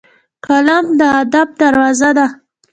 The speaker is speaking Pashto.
قلم د ادب دروازه ده